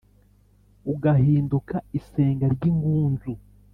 ugahinduka isenga ry’ingunzu.